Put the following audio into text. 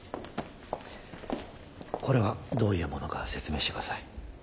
これはどういうものか説明してください。